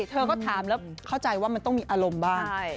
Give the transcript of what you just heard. เธอก็ถามแล้วเข้าใจว่ามันต้องมีอารมณ์บ้าง